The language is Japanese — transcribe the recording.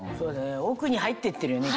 奥に入って行ってるよね